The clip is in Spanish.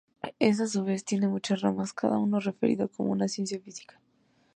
Es a su vez tiene muchas ramas, cada uno referido como una "ciencia física".